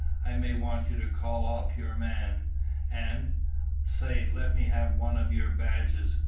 "I may want you to call off your man. And, say, let me have one of your badges.